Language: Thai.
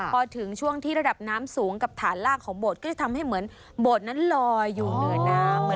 พอถึงช่วงที่ระดับน้ำสูงกับฐานล่างของโบสถ์ก็จะทำให้เหมือนโบสถ์นั้นลอยอยู่เหนือน้ำ